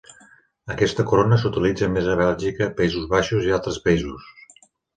Aquesta corona s'utilitza més a Bèlgica, Països Baixos i altres països.